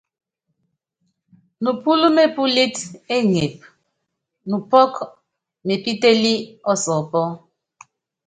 Nupɔ́l mepúlít éŋep, nupɔ́k mepítélí ɔsɔɔpɔ.